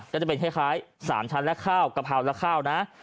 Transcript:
ก็จะเป็นคล้าย๓ชั้นและข้าวกะเพราและข้าวนะ